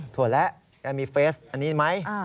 ถั่วแระมีเฟซอันนี้ไหม